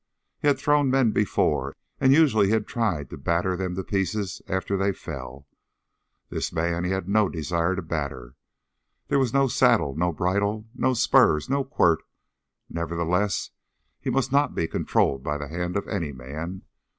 He had thrown men before, and usually he had tried to batter them to pieces after they fell. This man he had no desire to batter. There had been no saddle, no bridle, no spurs, no quirt nevertheless, he must not be controlled by the hand of any man!